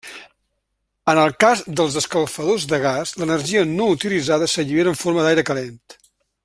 En el cas dels escalfadors de gas l'energia no utilitzada s'allibera en forma d'aire calent.